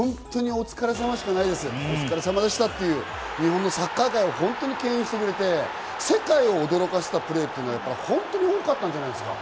お疲れさまでしたという、日本のサッカー界を本当にけん引してくれて、世界を驚かせたプレーは本当に多かったじゃないですか？